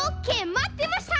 まってました！